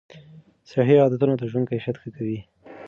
صحي عادتونه د ژوند کیفیت ښه کوي.